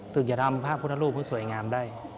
ถึงจะทำพระพุทธรูปให้สวยงามได้